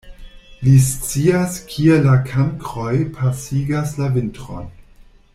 Li scias, kie la kankroj pasigas la vintron.